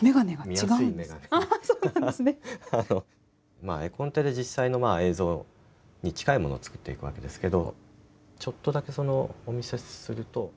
まあ、絵コンテで実際の映像に近いものを作っていくわけですけどちょっとだけその、お見せすると。